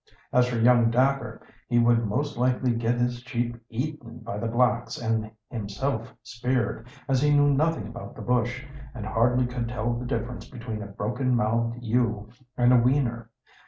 As for young Dacre, he would most likely get his sheep eaten by the blacks and himself speared, as he knew nothing about the bush, and hardly could tell the difference between a broken mouthed ewe and a weaner.